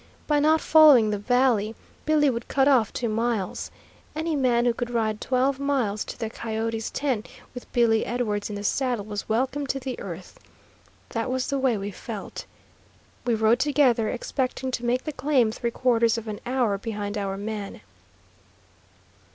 By not following the valley, Billy would cut off two miles. Any man who could ride twelve miles to the coyote's ten with Billy Edwards in the saddle was welcome to the earth. That was the way we felt. We rode together, expecting to make the claim three quarters of an hour behind our man.